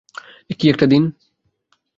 কী একটা দিন।